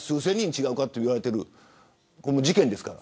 違うかと言われている事件ですから。